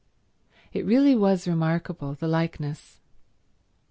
It really was remarkable, the likeness.